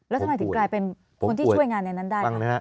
แล้วทำไมถึงกลายเป็นคนที่ช่วยงานในนั้นได้คะ